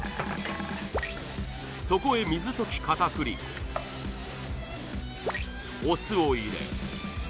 そこへ水溶き片栗粉お酢を入れ